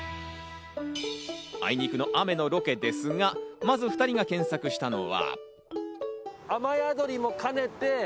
あいにくの雨のロケですが、まず２人が検索したのは。